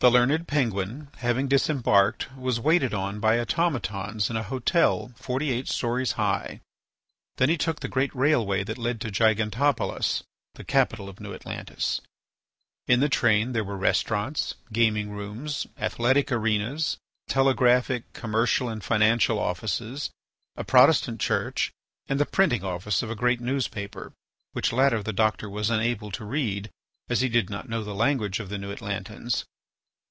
The learned Penguin, having disembarked, was waited on by automatons in a hotel forty eight stories high. Then he took the great railway that led to Gigantopolis, the capital of New Atlantis. In the train there were restaurants, gaming rooms, athletic arenas, telegraphic, commercial, and financial offices, a Protestant Church, and the printing office of a great newspaper, which latter the doctor was unable to read, as he did not know the language of the New Atlantans.